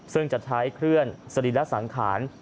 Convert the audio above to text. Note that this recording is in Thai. ซึ่งจะใช้เคลื่อนสรีระสังขาร